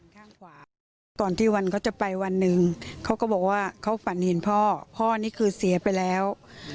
ข้างขวาก่อนที่วันเขาจะไปวันหนึ่งเขาก็บอกว่าเขาฝันเห็นพ่อพ่อนี่คือเสียไปแล้ว